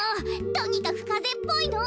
とにかくかぜっぽいの。